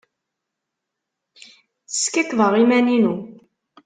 Skakkḍeɣ iman-inu.